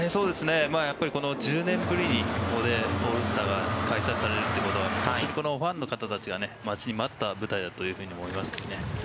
やっぱり１０年ぶりにここでオールスターが開催されるということは本当にファンの方たちは待ちに待った舞台だと思いますしね。